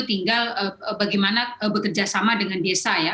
tidak akan bekerja sama dengan desa